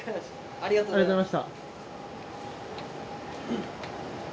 ありがとうございます。